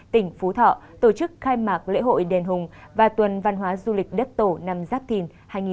tỉnh phú thọ tổ chức khai mạc lễ hội đền hùng và tuần văn hóa du lịch đất tổ năm giáp thìn hai nghìn hai mươi bốn